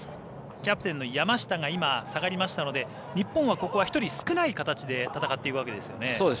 キャプテンの山下が下がりましたので日本は、ここは１人少ない形で戦っているわけですね。